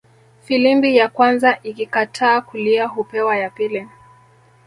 Filimbi ya kwanza ikikataa kulia hupewa ya pili